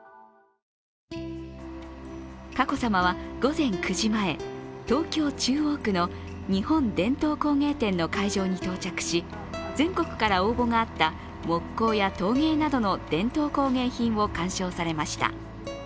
佳子さまは午前９時前東京・中央区の日本伝統工芸展の会場に到着し全国から応募があった木工や陶芸などの伝統工芸品を鑑賞されました。